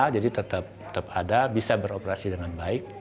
jadi tetap ada bisa beroperasi dengan baik